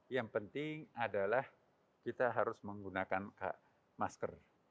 yang penting adalah kita harus menggunakan masker